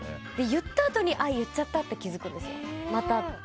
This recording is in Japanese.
言ったあとに言っちゃったって気づくんです。